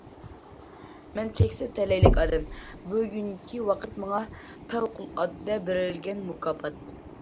مەن چەكسىز تەلەيلىك ئادەم، بۈگۈنكى ۋاقىت ماڭا پەۋقۇلئاددە بېرىلگەن مۇكاپات.